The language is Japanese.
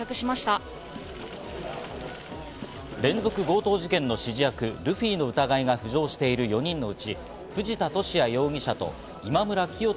連続強盗事件の指示役・ルフィの疑いが浮上している４人のうち、藤田聖也容疑者と今村磨人